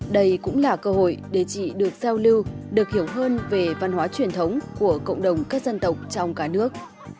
đây cũng là cơ hội để chị được giao lưu được hiểu hơn về văn hóa truyền thống của cộng đồng các dân tộc trong cả nước